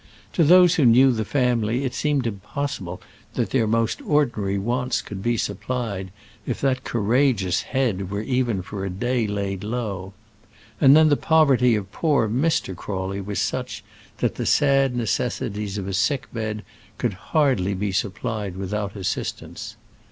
To those who knew the family it seemed impossible that their most ordinary wants could be supplied if that courageous head were even for a day laid low; and then the poverty of poor Mr. Crawley was such that the sad necessities of a sick bed could hardly be supplied without assistance.